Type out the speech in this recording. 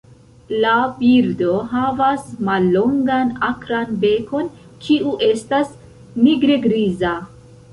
La birdo havas mallongan akran bekon, kiu estas nigre-griza.